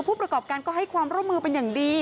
ผู้ประกอบการก็ให้ความร่วมมือเป็นอย่างดี